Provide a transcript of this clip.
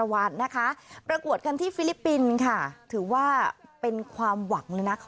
แล้วมัดประกวดคำที่ฟิลิปปินคือว่าเป็นความหวังเลยเน้อวะ